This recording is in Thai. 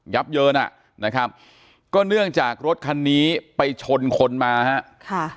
ับเยินอ่ะนะครับก็เนื่องจากรถคันนี้ไปชนคนมาฮะค่ะ